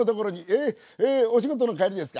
えお仕事の帰りですか？